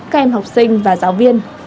các em học sinh và giáo viên